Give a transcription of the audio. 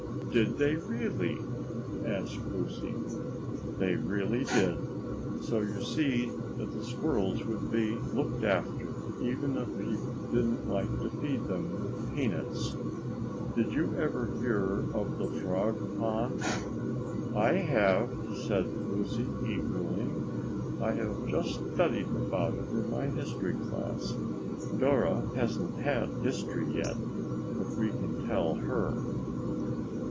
"Did they really?" asked Lucy. "They really did. So you see that the squirrels would be looked after even if people didn't like to feed them with peanuts. Did you ever hear of the Frog Pond?" "I have," said Lucy eagerly. "I have just studied about it in my history class. Dora hasn't had history yet, but we can tell her."